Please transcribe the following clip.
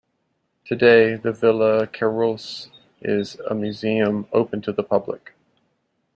Today, the Villa Kerylos is a museum open to the public.